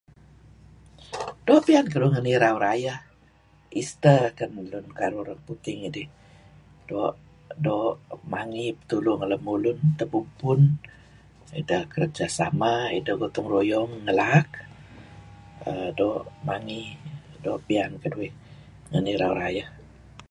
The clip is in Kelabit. Doo' piyan keduih ngan irau rayeh Easter kan karuh Urang putih ngidih . Doo' doo' mangi petulu ngan lemulun tebubpun , idah kerja sama idah gotong royong ngelaak err doo' mangi. Doo' piyan keduih ngan irau rayeh.